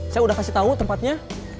saya udah kasih tau tempatnya